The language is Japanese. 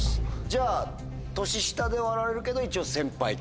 じゃあ年下ではあられるけど一応先輩と。